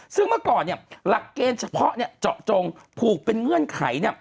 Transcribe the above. ซึ่งเมื่อก่อนเนี่ยหลักเกณฑ์เฉพาะเนี่ยเจาะจงผูกเป็นเงื่อนไขเนี่ย